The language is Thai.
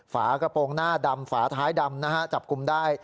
ฝากระโปรงหน้าดำฝาท้ายดำนะฮะจับกลุ่มได้